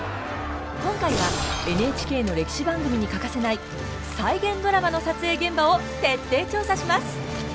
今回はＮＨＫの歴史番組に欠かせない再現ドラマの撮影現場を徹底調査します！